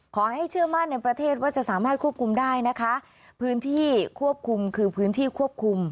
ขอให้เชื่อมั่นในประเทศว่าจะสามารถควบคุมได้นะคะพื้นที่ควบคุมคือพื้นที่ควบคุม